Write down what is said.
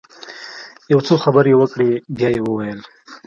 يو څو خبرې يې وکړې بيا يې وويل.